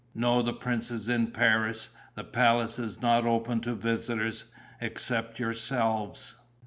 "No, the prince is in Paris. The palace is not open to visitors, except yourselves."